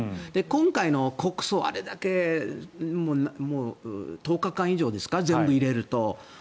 今回の国葬、あれだけ１０日間以上ですか全部入れると。